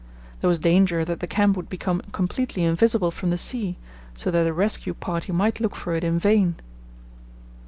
There was danger that the camp would become completely invisible from the sea, so that a rescue party might look for it in vain.